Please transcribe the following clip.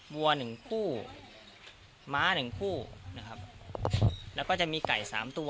วัวหนึ่งคู่ม้าหนึ่งคู่นะครับแล้วก็จะมีไก่สามตัว